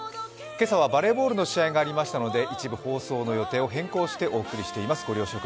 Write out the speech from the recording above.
今朝はバレーボールの試合がありましたので、一部放送の予定を変更してお送りしております。